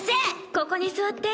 ここに座って。